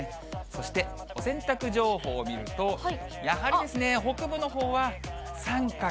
そして、お洗濯情報を見ると、やはりですね、北部のほうは三角。